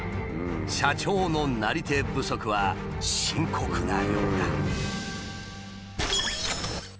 社長のなり手不足は深刻なようだ。